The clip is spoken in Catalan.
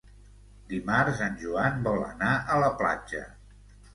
Dimarts en Joan vol anar a la platja.